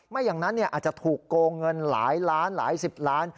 ไม่อย่างนั้นอาจจะถูกโกงเงินหลายล้านหลายสิบล้าน